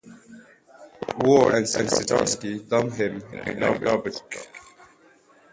Ward and Sitarski dump him in a garbage truck.